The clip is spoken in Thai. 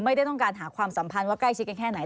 ไม่ได้ต้องการหาความสัมพันธ์ว่าใกล้ชิดกันแค่ไหน